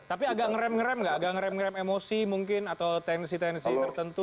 tapi agak ngerem ngerem gak agak ngerem ngerem emosi mungkin atau tensi tensi tertentu